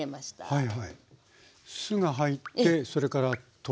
はい。